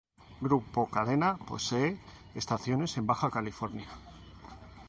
Grupo Cadena posee estaciones en Baja California.